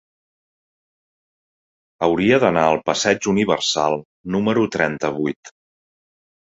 Hauria d'anar al passeig Universal número trenta-vuit.